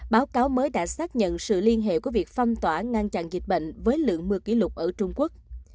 báo cáo mới đã xác nhận sự liên hệ của việc phong tỏa ngăn chặn dịch bệnh với lượng mưa kỷ lục ở trung quốc